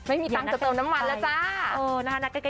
ไม่มีตังค์จะเติมน้ำมันแล้วจ้า